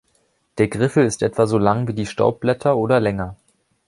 Der Griffel ist etwa so lang wie die Staubblätter oder länger.